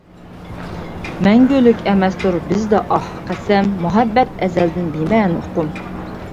مەڭگۈلۈك ئەمەستۇر بىزدە ئاھ، قەسەم، مۇھەببەت ئەزەلدىن بىمەنە ئوقۇم!